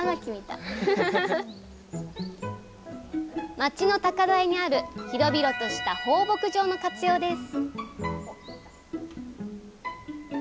町の高台にある広々とした放牧場の活用です